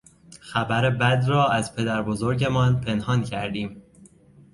خبر بد را از پدربزرگمان پنهان کردیم.